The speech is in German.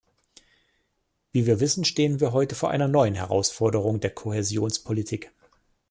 Wie wir wissen, stehen wir heute vor einer neuen Herausforderung der Kohäsionspolitik.